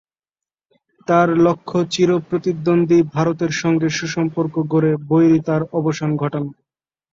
তাঁর লক্ষ্য চির প্রতিদ্বন্দ্বী ভারতের সঙ্গে সুসম্পর্ক গড়ে বৈরিতার অবসান ঘটানো।